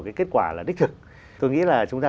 cái kết quả là đích thực tôi nghĩ là chúng ta